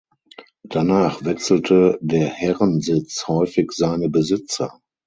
Danach wechselte der Herrensitz häufig seine Besitzer.